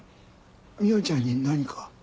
海音ちゃんに何か？